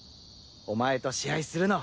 お前と試合するの。